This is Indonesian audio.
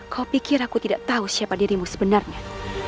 kau pikir aku tidak tahu siapa dirimu sebenarnya